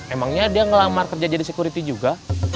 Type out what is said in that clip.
emangnya dia ngelamar kerja jadi security juga